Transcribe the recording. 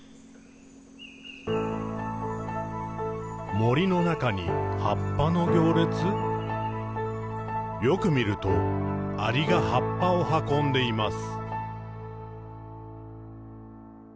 「森の中に、葉っぱの行列」「よく見ると、アリが葉っぱをはこんでいます。」